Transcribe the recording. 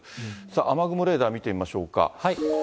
雨雲レーダー見てみましょうか。